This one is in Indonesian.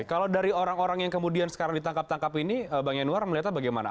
kalau dari orang orang yang kemudian sekarang ditangkap tangkap ini bang yanuar melihatnya bagaimana